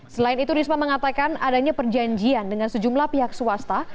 selain itu risma mengatakan adanya perjanjian dengan sejumlah pihak swasta